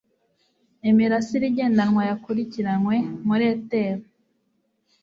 imirasire igendanwa yakurikiranwe muri ether